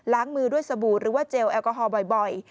มือด้วยสบู่หรือว่าเจลแอลกอฮอลบ่อย